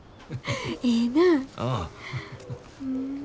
ええなぁ。